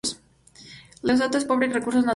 Lesoto es pobre en recursos naturales.